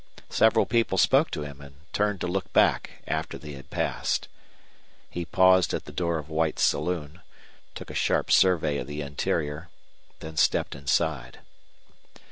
Several people spoke to him and turned to look back after they had passed. He paused at the door of White's saloon, took a sharp survey of the interior, then stepped inside.